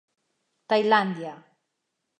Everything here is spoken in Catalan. Tailàndia.